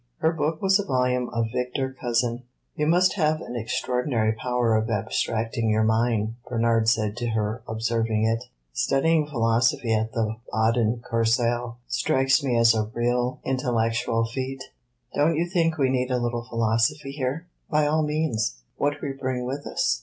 Her book was a volume of Victor Cousin. "You must have an extraordinary power of abstracting your mind," Bernard said to her, observing it. "Studying philosophy at the Baden Kursaal strikes me as a real intellectual feat." "Don't you think we need a little philosophy here?" "By all means what we bring with us.